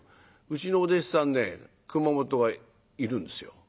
うちのお弟子さんね熊本がいるんですよ。